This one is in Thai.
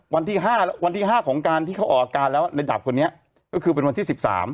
วันที่๕วันที่๕ของการที่เขาออกอาการแล้วในดาบคนนี้ก็คือเป็นวันที่๑๓